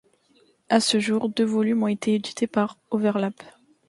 À ce jour, deux volumes ont été édités par Overlap.